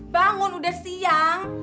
bangun udah siang